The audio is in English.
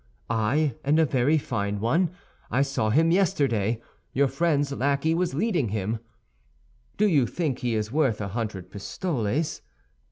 'Ay, and a very fine one! I saw him yesterday; your friend's lackey was leading him.' 'Do you think he is worth a hundred pistoles?